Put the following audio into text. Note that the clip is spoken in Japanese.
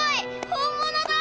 本物だ！